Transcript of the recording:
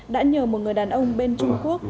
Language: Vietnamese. đã nhờ một người đàn ông bên trung quốc